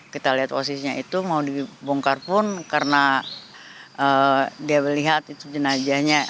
kita lihat posisinya itu mau dibongkar pun karena dia melihat itu jenajahnya